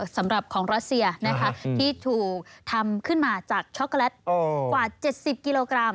สำหรับของรัสเซียที่ถูกทำขึ้นมาจากช็อกโกแลตกว่า๗๐กิโลกรัม